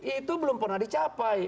itu belum pernah dicapai